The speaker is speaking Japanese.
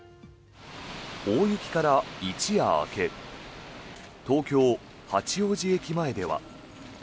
大雪から一夜明け東京・八王子駅前では。